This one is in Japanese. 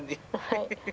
はい。